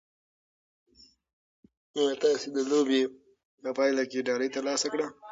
ایا تاسي د لوبې په پایله کې ډالۍ ترلاسه کړه؟